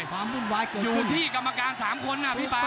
อยู่ที่กรรมการสามคนอ่ะพี่ปาก